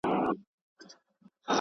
د زېړ ګل پاڼې په ځمکه باندې پرتې وې.